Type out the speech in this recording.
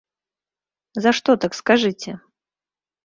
За што так, скажыце?